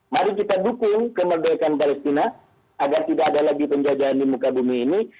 mari kita dukung kemerdekaan palestina agar tidak ada lagi penjajahan di muka bumi ini